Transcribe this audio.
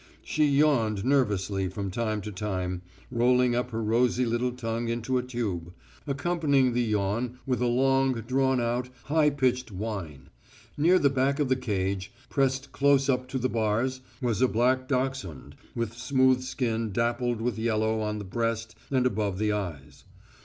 She yawned nervously from time to time, rolling up her rosy little tongue into a tube, accompanying the yawn with a long drawn out, high pitched whine.... Near the back of the cage, pressed close up to the bars, was a black dachshund, with smooth skin dappled with yellow on the breast and above the eyes.